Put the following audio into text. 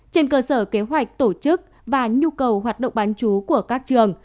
trên cơ sở kế hoạch tổ chức và nhu cầu hoạt động bán chú của các trường